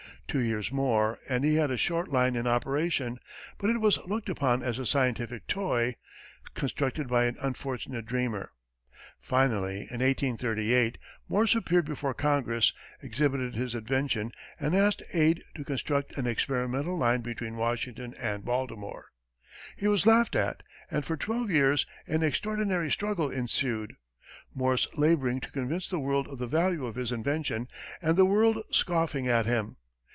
Two years more, and he had a short line in operation, but it was looked upon as a scientific toy constructed by an unfortunate dreamer. Finally, in 1838, Morse appeared before Congress, exhibited his invention and asked aid to construct an experimental line between Washington and Baltimore. He was laughed at, and for twelve years an extraordinary struggle ensued, Morse laboring to convince the world of the value of his invention, and the world scoffing at him.